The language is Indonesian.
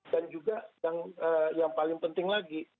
dan juga yang paling penting lagi